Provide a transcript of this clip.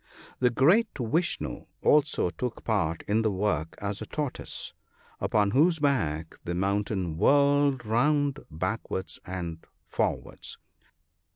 The great Vishnoo also took part in the work as a tortoise, upon whose back the mountain whirled round back wards and forwards.